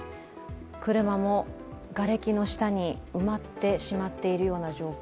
車もがれきの下に埋まってしまっているような状況。